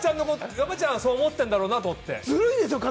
山ちゃん、そう思ったんだろうなと思って。